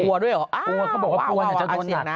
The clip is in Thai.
ปัวด้วยหรออ้าวอาเซียนะ